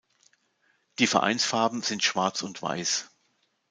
Die Vereinsfarben sind schwarz und weiß.